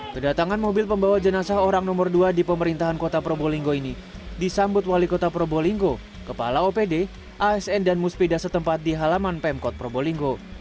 kedatangan mobil pembawa jenazah orang nomor dua di pemerintahan kota prabowo linggo ini disambut wali kota prabowo linggo kepala opd asn dan musbidah setempat di halaman pemkot prabowo linggo